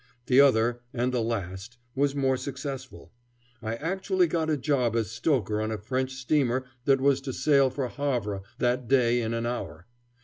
The other, and the last, was more successful. I actually got a job as stoker on a French steamer that was to sail for Havre that day in an hour.